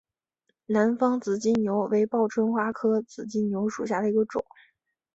南方紫金牛为报春花科紫金牛属下的一个种。